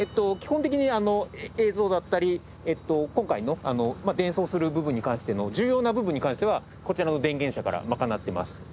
基本的に映像だったり今回の伝送する部分に関しての重要な部分に関してはこちらの電源車からまかなっています。